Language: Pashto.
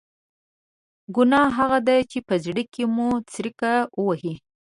ګناه هغه ده چې په زړه کې مو څړیکه ووهي.